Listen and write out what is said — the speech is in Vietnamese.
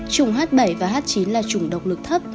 trùng h bảy và h chín là chủng độc lực thấp